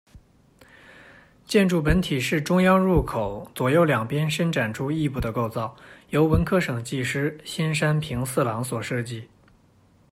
建筑本体是中央入口、左右两边伸展出翼部的构造，由文科省技师新山平四郎所设计。